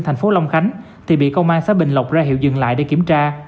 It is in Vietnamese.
tp long khánh thì bị công an xã bình lộc ra hiệu dừng lại để kiểm tra